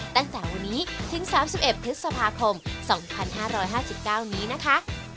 ตั้งแต่วันนี้ถึง๓๑พฤษภาคม๒๕๕๙นี้นะคะ